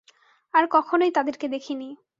আর কখনোই তাদেরকে দেখিনি।